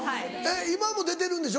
今も出てるんでしょ？